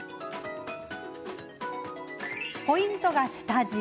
ポイントが下地。